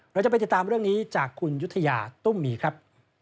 เราจะไปติดตามเรื่องนี้จากคุณยุธยาตุ้มมีครับ